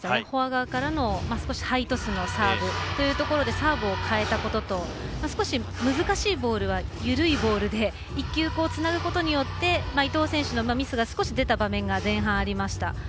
フォア側からのハイトスのサーブというところでサーブを変えたことと少し難しいボールは緩いボールで１球つなぐことによって伊藤選手のミスが少し出た場面が前半ありました。